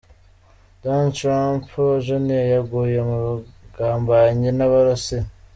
Don Trump Junior yaguye mu bugambanyi n’Abarusiya.